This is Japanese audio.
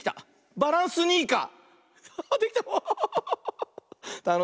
「バランスニーカー」！